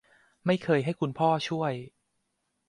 ไม่เคยให้คุณพ่อช่วย